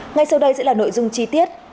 ngay sau đây sẽ là nội dung chi tiết